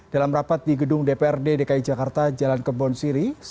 dalam rapat di gedung dprd dki jakarta jalan kebon siri